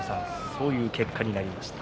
そういう結果になりました。